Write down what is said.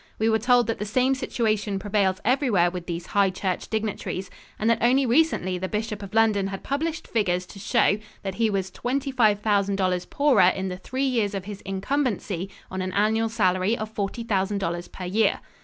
We were told that the same situation prevails everywhere with these high church dignitaries, and that only recently the Bishop of London had published figures to show that he was $25,000 poorer in the three years of his incumbency on an annual salary of $40,000 per year.